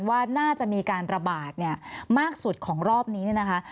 ว่าน่าจะมีการระบาดเนี่ยมากสุดของรอบนี้เนี่ยนะคะ